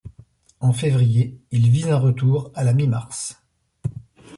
En février, il vise un retour à la mi-mars.